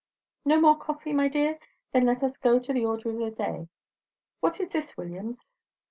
No more coffee, my dear? Then let us go to the order of the day. What is this, Williams?"